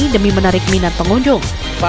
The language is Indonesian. demi menarik minat pengunjung